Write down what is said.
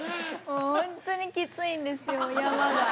もう、本当にきついんですよ、山が。